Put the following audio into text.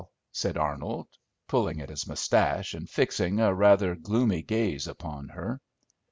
said Arnold, pulling at his mustache, and fixing a rather gloomy gaze upon her.